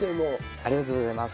ありがとうございます。